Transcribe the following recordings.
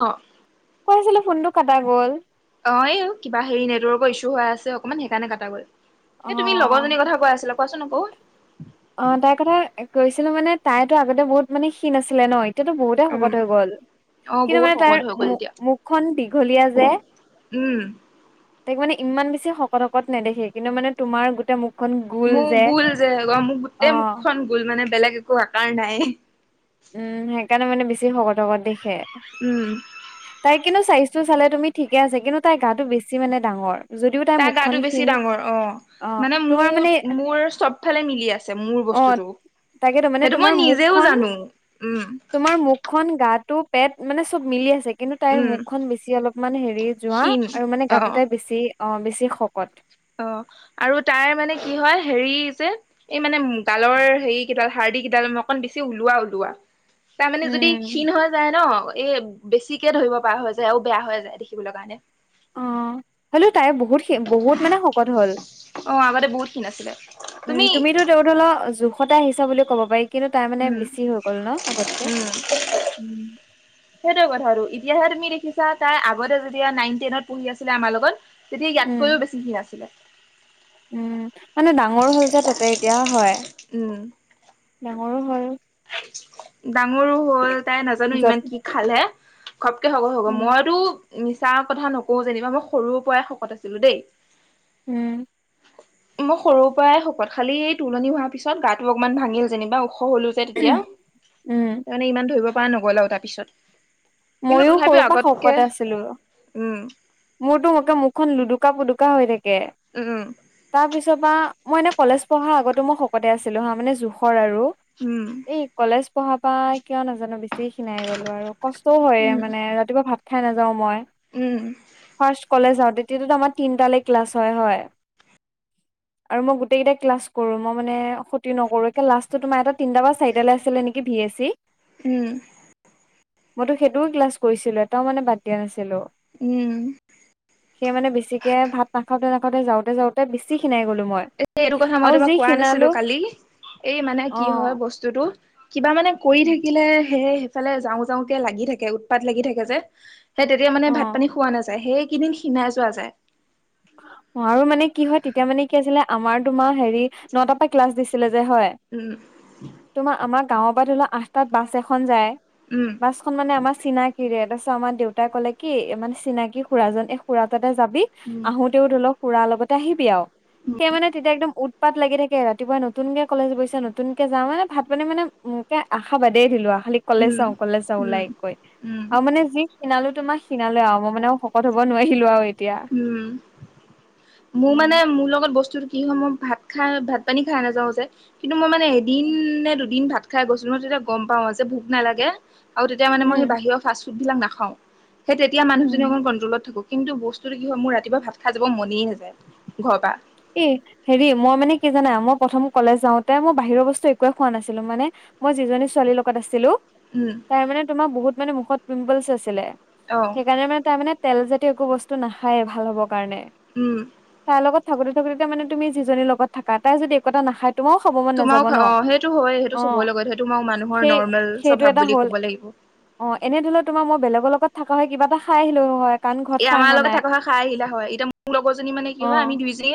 অঁ'। কৈ আছিলো ফোনটো কাটা গ'ল। অ', এই [unintelligible] কিবা হেৰি নেটৱৰ্কৰ ইছ্যু হৈ আছে অকনমান সেইকাৰণে কাটা গ'ল। অ এ তুমি লগৰজনীৰ কথা কৈ আছিলা। কোৱাচোন আকৌ। অ, তাইৰ কথা কৈছিলো মানে তাইতো আগতে বহুত মানে খীণ আছিলে ন? এতিয়াতো বহুত তাই উম শকত হৈ গ'ল। অ কিন্তু বহুত মানে শকত তাৰ হৈ গ'ল মু এতিয়া মুখখন দীঘলীয়া যে। উম। তাইক মানে ইমান বেছি শকত হকত নেদেখে কিন্তু মানে তোমাৰ গোটেই মোক মো গোল যে, মোক অ গোটেই মুখখন গোল মানে বেলেগ একো আকাৰ নাই। উম, সেইকাৰণে মানে বেছি শকত শকত দেখে। উম। তাইৰ কিন্তু চাইজটো চালে তুমি ঠিকে আছে, কিন্তু তাই গাটো বেছি মানে ডাঙৰ। যদিও তাইৰ তা মুখখন গাটো বেছি ক্ষীণ ডাঙৰ অ। মানে তোমাৰ মোৰ মানে মোৰ চব ফালে মিলি আছে মোৰ অ বস্তুটো। তাকেতো মানে সেইটো তোমাৰ মই নিজেও মুখখন জানো। উম। তোমাৰ মুখ খন গাটো পেট মানে চব মিলি আছে। কিন্তু তাইৰ উম মুখখন বেছি অলপমান হেৰি যোৱা, ক্ষীণ আৰু মানে অ গাটো তাই বেছি অ বেছি শকত। অ, আৰু তাইৰ মানে কি হয় হেৰি যে এই মানে গালৰ হেৰি কেইডাল হাৰ্দি কিডাল মই অকণ বেছি ওলোৱা ওলোৱা। তামানে যদি ক্ষীণ হৈ যায় ন? এ বেছিকে ধৰিব পৰা হৈ যায় আৰু বেয়া হৈ যায় দেখিবলৈ কাৰণে। অ', হ'লেও তাই বহুত বহুত মানে শকত হ'ল। অ আগতে বহুত ক্ষীণ আছিলে উম, তুমি তুমিতো তেওঁ ধ--ল জোখতে আহিছ বুলি ক'ব পাৰি কিন্তু তাই মানে উম বেছি হৈ গ'ল ন' আগতকে? উম [inaudible] সেইটোৱে কথাটো, এতিয়াহে তুমি দেখিছা। তাই আগতে যেতিয়া নাইন টেনত পঢ়ি আছিলে আমাৰ লগত। তেতিয়া উম ইয়াতকৈও বেছি ক্ষীণ আছিলে। উম', মানে ডাঙৰ হ'ল যে তাতে এতিয়া হয়। উম। ডাঙৰো হ'ল। ডাঙৰো হ'ল তাই, নাজানো যত ইমান কি খালে। ঘপকে শকত হ। উম মইতো মিছা কথা নকওঁ যেনিবা। মই সৰুৰ পৰাই শকত আছিলো দেই। উম। মই সৰু পৰাই শকত খালি তোলনি হোৱা পিছত গাটো অকমান ভাঙিল যেনিবা, ওখ হ'লো তেতিয়া। উম তা মানে ইমান ধৰিব পৰা নগ' ল আ‌ৱ তাপিছত। ময়ো সৰু পা শকত আছিলো। উম মোৰতো মুকে মুখখন লুডুকা পুডুকা হৈ থাকে। উ উ, তাৰ পিছৰ পৰা মই এনে কলেজ পঢ়া আগত মই শকতে আছিলো হা মানে জোখৰ আৰু উম। এই কলেজ পঢ়াৰ পৰা কিয় নাজানো বেছি খিনাই গলো আৰু কষ্টও হয়ে উম মানে ৰাতিপুৱা ভাত ভাত খাই নাযাও মই উম ফাষ্ট কলেজত তেতিয়া টো আমাৰ তিনটালেকে ক্লাছ হয় হয়। [inaudible] আৰু মই গোটেইকেইটা ক্লাছ কৰো মই মানে ক্ষতি নকৰো এ লাষ্টটো তোমাৰ এটা তিনিটা বা চাৰিটালৈ আছিলে নেকি ভি এছি। উম, মইতো সেইটোও ক্লাছ কৰিছিলো এটাও মানে বাদ দিয়া নাছিলো। উম সেই মানে বেছিকে ভাত নাখাও আগতে যাওঁতে যাওঁতে বেচি ক্ষীনাই গলো মই। এ এইটো কথা মই আৰু যি তোমাক কোৱা নাছিলো খিনালো কালি এই মানে অ কি হয় বস্তুটো কিবা মানে, কৰি থাকিলে সেয় সেইফালে যাওঁ যাওঁকে লাগি থাকে উৎপাত লাগি থাকে যে। হে‌ তেতিয়া মানে অ ভাত পানী খোৱা নাযায় সেইকেইদিন ক্ষীনাই যোৱা যায়। আৰু মানে কি হয় তেতিয়া মানে কি আছিলে আমাৰ তোমাৰ হেৰিত নটাৰ পৰা ক্লাছ দিছিলে যে হয়। উম তোমাৰ আমাৰ গাঁওৰ পৰা ধৰি লোৱা আঠটাত বাছ এখন যায়। উম, বাছখন মানে আমাৰ চিনাকিৰে তাৰপিছত আমাৰ দেউতাই ক'লে কি ইমান চিনাকি খুৰাজন এই খুৰা তাতে যাবি। উম আহোতেও ধৰি লক খুৰাৰ লগতে আহিবি আৰু সেই মানে তেতিয়া একদম উৎপাত লাগি থাকি ৰাতিপুৱাই নতুনকে কলেজ গৈছে নতুন কে যাও মানে ভাত পানী মানে মোকে আশা বাদেই দিলো খালি কলেজ উম যাও কলেজ যাও উম ওলাই কৈ উম আৰু মানে যি, খিনালো তোমাক খিনালো আৰু মই মানে শকত হব নোৱাৰিলো আৰু এতিয়া। উম মোৰ উম মানে মোৰ লগত বস্তুত কি সময় ভাত খাই ভাত পানী খাই নাযাওঁ যে কিন্তু মই মানে এদিন নে দুদিন ভাত, খাই গৈছিলো মই তেতিয়া গম পাও যে ভোক নালাগে আৰু তেতিয়া মানে মই সেই উম বাহিৰৰ ফাষ্ট ফুডবলাক নাখাওঁ। সেই তেতিয়া উম। মুহজনী অকণ কন্ট্ৰলত থাকো কিন্তু বস্তু কিন্তু কি হয় মোৰ ৰাতিপুৱা ভাত খাই যাব মনেই নাযায় ঘৰৰ পৰা। এ হেৰি মই মানে কি জানা মই প্ৰথম কলেজ যাওঁতে মই বাহিৰৰ বস্তু একোৱে খোৱা নাছিলো মানে, মই যিজনী ছোৱালীৰ লগত আছিলো। উম তাৰ মানে তোমাৰ বহুত মানে মুখত পিম্পলছ আছিলে। অ, সেইকাৰণে মানে তাৰ মানে তেল জাতিয় একো বস্তু নাখায়েই ভাল হ'বৰ কাৰণে। উম তাইৰ লগত থাকোতে থাকোতে মানে তুমি যিজনীৰ লগত থাকা তাই যদি একো নাখায়, তোমাৰ খাব ম তোমাক অ সেইটো হয় সেইটো চবৰে লগত সেই তোমাক মানুহৰ সেই নৰ্মেল সেইটো স্বভাৱ এটা বুলি হ'ল ক'ব লাগিব। অ এনে ধৰি ল তোমাৰ মই বেলেগৰ লগত থকা হয় কিবা এটা খাই আহিলোও হয়। কাৰণ ঘৰত এ খাই আমাৰ অহা লগত নাই থকা হয় খাই আহিলা হয় এতিয়া মোৰ লগৰজনী মানে অ কি হয় আমি দুইজনী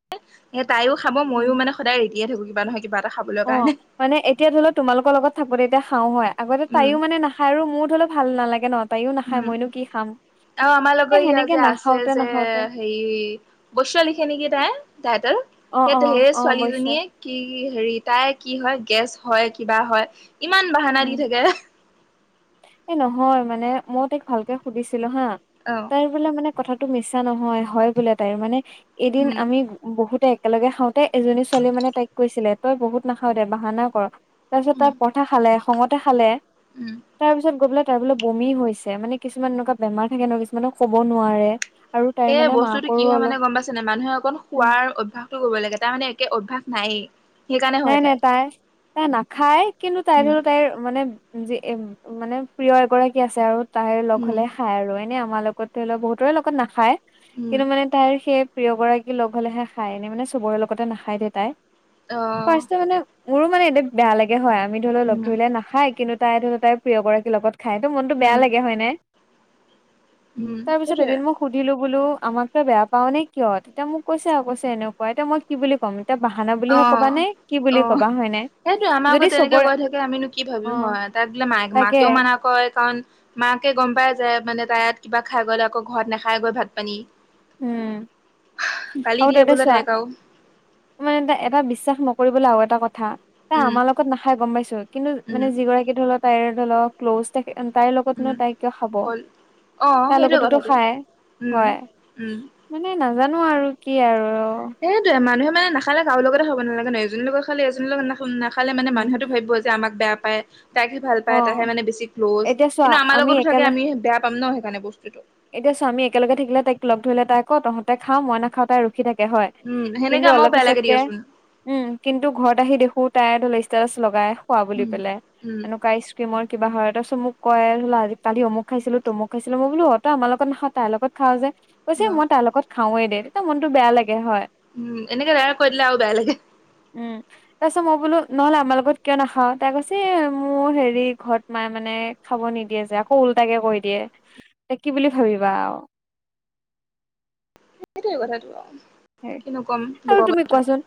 এ তাই খাব উম ময়ো মানে সদায় ৰেতিয়ে থাকো কিবা নহয় কিবা এটা খাবলৈ অ কাৰণে। মানে এতিয়া ধৰি লও তোমালোকৰ লগত এতিয়া ধৰিল তোমালোকৰ লগত থাকোতে এতিয়া খাও হয় আগতে উম তাইও মানে নাখায় আৰু মোৰো ধৰি লও ভাল নালাগে ন। তাইও নাখায় মইনো কি খাম। অ আমাৰ এ লগত ইয় সেনেকে যে আছে নাখাওতে যে নাখাওতে হেৰি বৈশয় লিখে নেকি তাই তাইটেল, অ অ সেইটো সেই অ অৱশ্যে ছোৱালীজনীয়ে। কি হেৰি তাই কি হয় গেছ হয় কিবা হয় ইমান বাহানা উম দি থাকে। এই নহয়, মানে মই তাইক ভালকে সুধিছিলো হা অ। তাইৰ বোলে মানে কথাটো মিছা নহয় বোলে তাই মানে এদিন উম আমি বহুত একেলগে খাওঁতে এজনী ছোৱালীয়ে মানে তাইক কৈছিলে তই বহুত নাখাৱ দে বাহানা কৰ তাৰ পিছত তাই উম প কথা খালে খঙতে খালে। উম তাৰপিছত গৈ পেলাই তাৰ বোলে বমি হৈছে। মানে কিছুমান এনেকুৱা বেমাৰ থাকে ন কিছুমানক ক'ব নোৱাৰে। আৰু তাইৰ এ মানে বস্তুতটো কি মাকৰো হয় মানে অলপ গ'ম পাইছে নাই মানুহে অকণ খোৱাৰ অভ্যাস কৰিব লাগে তাৰ মানে একেবাৰে অভ্যাস স নায়েই। সেইকাৰণে নাই হয় নাই তাই তাই নাখায় কিন্তু তাই ধ উম লও তাইৰ মানে যি এ মানে প্ৰিয় এগৰাকী আছে আৰু তাইৰ লগ উম হলে খাই আৰু এনেই আমাৰ লগত ধৰি লওঁক বহুতৰে লগত নাখায়, উম কিন্তু মানে তাইৰ সেই প্ৰিয় গৰাকী লগ হ'লেহে খাই এনেই মানে চবৰে লগতে নাখায় দিয় তাই অ ৰ্ফাষ্ট মানে মোৰো মানে এ বেয়া লাগে হয়। আমি ধৰি লও লগ উম ধৰিলে না খায়, কিন্তু তাই ধ তাই প্ৰিয় গৰাকীৰ লগত খায়, ত মনতটো উম বেয়া লাগে হয়নে। উম তাৰ পিছত সেইটোৱে এদিন মোক সুধিলো আমাক তো বেয়া পাও নে কিয় এতিয়া মোক কৈছে আৰু কৈছে এনেকুৱা এতিয়া মই কি বুলি। কম এতিয়া বাহানা বুলিহে ক'বা নে কি বুলি ক'বা হয় ন। সেইটোয়ে আমাৰ আগত তেনেকে কৈ থাকে আমিনো কি অ ভাবিম হয় তাই বোলে তাকে মাকেও মানা কৰেয কাৰণ মাকে গম পায় যে মানে তাই ইয়াত কিবা খাই গ'লে আকৌ ঘৰত নাখাই গৈ ভাত পানী। উম গালি আৰু দিয়ে তেন্তে বোলে চোৱা তাইক আৰু মানে এটা বিশ্বাস নকৰিবলৈ আৰু এটা কথা তাই উম আমাৰ লগত নাখাই গম পাইছ, কিন্তু উম মানে যিগৰাকী ধৰি লক তাইৰ ধৰি লক ক্ল'জ থাকে তাইৰ লগতনো উম তাই কিয় খাব, কল অ তাই সেইটোৱে লগততো কথাটো খায়। উম হয় উম। মানে নাজানো আৰু কি আৰু সেইয়ে মানুহে মেখে কাৰ লগতে হ'ব নালাগে ন এজনী লগ খাল এী লগত না নাখালে মানে উম মানুহেতো ভাবিব যে আমাক বেয়া পায়। তাইকি ভাল অ পায় তাহে মানে বেছি ক্ল'জ এতিয়া চোৱা কিন্তু আমাৰ আমি লগতো থাকে একেলগ আমি বেয়া পাম ন সেইকাৰণে বস্তুতটো। এতিয়া স্বামী একেলগে থাকিলে তাইক লগ ধৰিলে তাই আকৌ তহঁতে খা মই নাখাও তাই ৰখি থাকে হয়। উম কিন্তু সেনেকে অলপ আমাৰো বেয়া লাগে পিছতকে দিয়চোন। উম কিন্তু ঘৰত আহি দেখো তাই ধৰি লোৱা ষ্টেটাচ লগাই খোৱা বুলি উম পেলাই উম এনেকুৱা ক্ৰীম কিবা হয় তাৰ পিছত মোক কয় ধ আজি কালি অমুক খাইছিলো তমু খাইছিলো মই বোলো তই আমাৰ লগত নাখাৱ তাইৰ লগত খাৱ যে। কৈছে অ মই তাইৰ লগত খাওৱেই দে তেতিয়া মনতটো বেয়া লাগে হয়। উম এনেকে বেয়া কৈ দিলে আৰু বেয়া লাগে। উম তাৰপিছত মই বোলো নহ'লে আমাৰ লগত কিয় নাখাও তাই কৈছে মোৰ হেৰি ঘৰত। মাই মানে খাব নিদিয়ে যে আকৌ ওল্টাকে কৈ দিয়ে কি বুলি ভাবিবা আৰু। সেইটোৱেই কথাটো আৰু কিনো ক'ম আৰু লোকৰ কথা তুমি। কোৱাচোন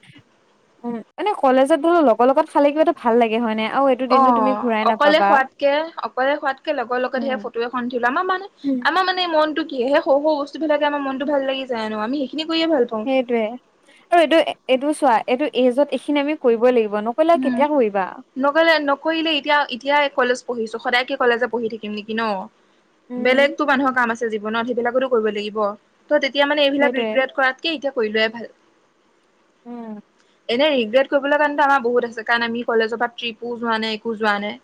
উ এনে কলেজত বোলো লগৰ লগত খালে কিবা এটা ভাল লাগে হয় নে। আৰু এইটো অ দিনটো তুমি ঘূৰাই অকলে নাপাবা। খোৱাতকে অকলে খোৱাতকে লগে লগে ধে ফটো এখন ধৰ মানুহে। উম। আমাৰ মানে মনটো কি, হেই সৰু সৰু বস্তু বিলাকে আমাৰ মনটো ভাল লাগি যায়নো, আমি সেইখিনি কৰিয়ে ভাল পাওঁ। সেইয়ে আৰু এইটো এইটো চোৱা এইটো এজত এইখিনি আমি কৰিবই লাগিব ন। পেলাই উম, কেতিয়া কৰিবা? নকলে নকৰিলে এতিয়া এতিয় কলেজ পঢ়িছো সদায় কে কলেজে পঢ়ি থাকিম নেকি ন। বেলেগতো মানুহৰ কাম আছে জীৱনত সেইবিলাকতো কৰিব লাগিব ত তেতিয়া মানে এইবিলাক সেইটোৱে ৰিগ্ৰেট কৰাতকে এতিয়া কৰিলোৱাই ভাল। উম এনে ৰিগ্ৰেট কৰিবলৈ কাৰণেত আমাৰ বহুত আছে কাৰণ আমি কলেজৰ পৰা ট্ৰিপো যোৱা নাই একো যোৱা নাই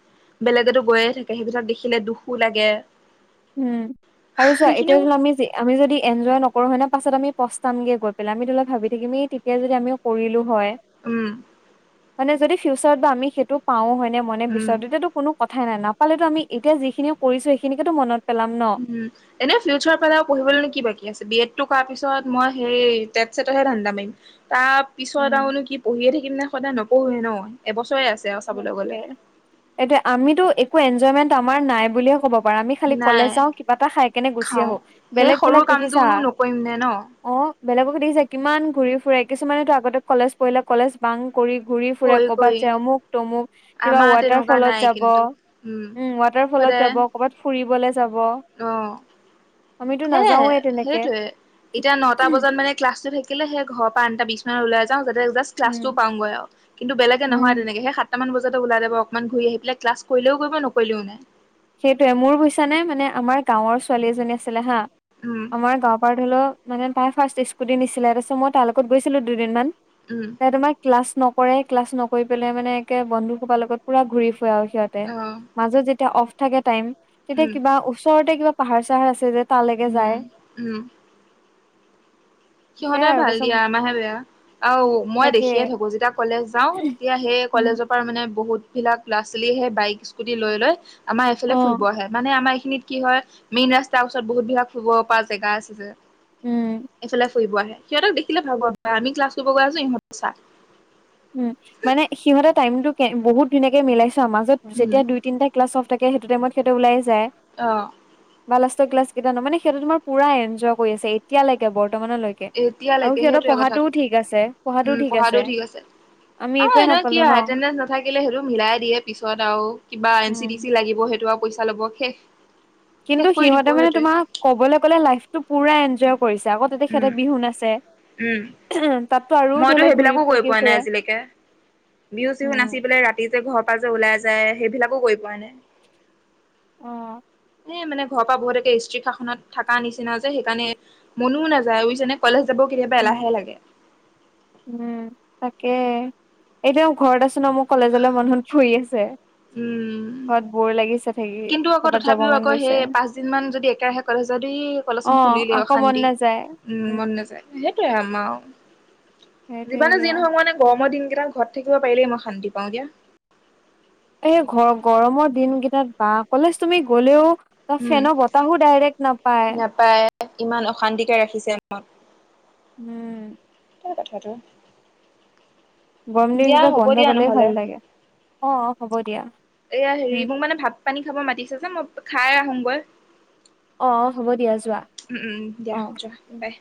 বেলেগেতো গৈয়ে থাকে সেইবিলাক দেখিলে দুখো লাগে উম আৰু চোৱা এতিয়া সেইখিনিও ধৰিল আমি যে আমি যদি এনজয় নকৰো হয় ন পাছত আমি পস্তামগে গৈ পেলাই আমি ধৰি লও ভাবি থাকিম ই তেতিয়া যদি আমিও কৰিলো হয় উম মানে যদি ফিউচাৰত বা আমি সেইটো পাওঁ হয়নে মনে উম বিচাৰাতো, তেতিয়াতো কোনো কথাই নাই নাপালেতো আমি এতিয়া যিখিনিও কৰিছো সেইখিনিকেতো মনত পেলাম ন। উম এনেই ফিউচাৰ পেলাই আৰু পঢ়িবলৈ কি বাকী আছে। বি এডটো কৰাৰ পিছত মই সেই টেট চছেটতহে ধান্দা মাৰিম। তাৰ পিছত উম। আৰুনো কি পঢ়িয়ে থাকিম নে সদায় নপঢ়োৱে ন এবছৰে আছে। আৰু স চাবলৈ গ'লে। এটোয়া আমিতো একো এনজয় মানে তা আমাৰ নাই বুলিয়ে ক'ব পাৰো বা আমি খালি নাই কলেজ যাওঁ কিবা এটা খাই কিনে গুচি খাওঁ আহো। সেই বেলেগ সৰু বিলাক দেখিছা। কামটোনো নকৰিম নে ন। অ' বেলেগকো দেখিছা কিমান ঘূৰি ফুৰে। কিছুমানেতো আগতে কলেজ পঢ়িলে কলেজ বাং কৰি ঘূৰি ফুৰে কৰি ক'বাত কৰি যে অমুক তোমোক কিবা আমাৰ ৱাটাৰ তেনেকুৱা ফলত নাই যাব কিন্তু উম ৱাটাৰ ফলত সদায় যাব কৰ'বাত ফুৰিবলে যাব অ' আমিতো সে নাযাওৱে তেনেকে সেইটোৱে এতিয়া নটা বজাত মানে ক্লাছটো থাক থাকিলে সেই ঘৰৰ পৰা আঠটা বিছ মানত ওলাই যাওঁ, যাতে যাষ্ট উম ক্লাছটো পাওঁগৈ আৰু কিন্তু বেলেগে উম নহয় তেনেকে সাত এটামানত বজা ওলাই যাব অকমান ঘূৰি আহি পাই ক্লাছ কৰিলেও কৰিব নকৰিলেও নাই সেইটোৱে মোৰ বুইিছা নে মানে আমাৰ গাঁৱৰ ছোৱালী এজনী আছিলে হা উম আমাৰ গাঁৱৰ পৰা ধৰি লও মানে তাই ৰ্ফাষ্ট স্কুটি নিছিলে তাৰপিছত মই তাৰ লগত গৈছিলো দুদিনমান। উম ত তোমাক ক্লাছ নকৰে ক্লাছ নকৰি পেলাই মানে একে বন্ধুসোপাৰ লগত পূৰা ঘূৰি ফুৰে আৰু সিহঁত অ' [unintelligible] মাজত যেতিয়া অফ থাকে টাইম তেতিয়া উম কিবা ওচৰতে কিবা পাহাৰ চাহাৰ আছে যে তালৈকে উম যায় উম সেয়াই সিহঁতেৰ আৰু ভাল দিয়া তাৰপিছত আমাহে বেয়া। আহ মই তাকে দেখিয়ে থাকো, যেতিয়া কলেজ যাওঁ তেতিয়া সেই উম কলেজত মানে বহুত বিলাক ল'ৰা ছোৱালীয়েহে বাইক স্কুটি লৈ লৈ আমাৰ এই ফালে অ ফুৰিব আহে। মানে আমাৰ এইখিনিত কি হয় মেইন ৰাস্তাৰ ওচৰত বহুত কিবা ফুৰিব পৰা জেগা আছে উম এইফালে ফুৰিব আহে সিহঁতক দেখিলে ভাবো আমি ক্লাছ কৰিব গৈআছো ইহঁত চা উম মানে সিহঁতে টাইম টো কে বহুত ধুনীয়াকে মিলাইছো আমাক যে উম যেতিয়া দুই তিনটা ক্লাছঅফ থাকে সেইটো টাইমত সিহঁতে ওলাই যায় অঁ বা লাষ্ট ক্লাছ কেইটা ন মানে সেইটো তোমাৰ পৰা এনজয় কৰি আছে এতিয়ালৈকে বৰ্তমানলৈকে আৰু এতিয়ালৈকে সিহঁতৰ সেইটোৱে কথাটো পঢ়াটোও ঠিক আছে পঢ়াটোও ঠিক আছে আমি অ একোৱে এ কি নাপালো ন হয় [unintelligible] নাথাকিলে সেইটো মিলাই দিয়ে পিছত আৰু কিবা এন চি টি উম। লাগিব সেইটো আৰু পইচা ল'ব শেষ কিন্তু শেষ কৰি দিব সিহঁতে মানে সেইটোৱে তোমাক কবলৈ গ'লে লাইফটো পুৰা এনজয় কৰিছে আকৌ তেতিয়া সেহঁতে উম বিহু নাছে উম তাততো আৰু ধৰি মইতো লওক ঘুৰি সেইবিলাকো কৰি পকি পোৱা নাই ফুৰে। আজিলৈকে বিহু চিহু নাচি উম। পেলাই ৰাতি যে ঘৰৰ পৰা যে ওলাই যায় সেইবিলাকো কৰি পোৱা নাই। অঁ। এ মানে ঘৰৰ পৰা বহুতকে ষ্ট্ৰিক শাসনত থকাৰ নিচিনা যে সেইকাৰণে মনো নাযায় বুইছনে। কলেজ যাব ও কেতিয়াবা এলাহে লাগে। উম' তাকে, এতিয়াও ঘৰত আছো ন মোৰ কলেজলৈ মনত পৰি আছে। উম' বত বৰ লাগিছে। থাকি কিন্তু আকৌ কৰ'বাত যাব তথাপিও মন আকৌ গৈছে। সেই পাঁচ দিন মান যদি একেৰাহে কলেজ যদি কলেজ খন খুলিলে আও। যাব মন নাযায়। উম' মন নাযায় সেইটোয়ে আমাৰ আও সেইটোয়ে যিমানে যি দিয়া। নহক মানে গৰমৰ দিন কেইটা ঘট- থাকিব পাৰিলেই মই শান্তিা পাওঁ দিয়া। এই ঘৰ গৰমৰ দিন গেটাত বা কলেজ তুমি গলেও- ত উম ফেন বতাহো ডাইৰেক্ট নাপায়। নাপায় ইমান অশান্তিকে ৰাখিছে উম' হয় কথাটো। গৰম দিয়া দিনকেইটা হ'ব বন্ধ দিয়া পালে নহলে ভাল লাগে অ অ হ'ব দিয়া এয়া হেৰি উম মোৰ মানে ভাত- পানী খাব মাতিছে যে মই খাই আহোঁগৈ। অঁ অঁ হ'ব দিয়া যোৱা। উম উম দিয়া অঁ' যোৱা বাই।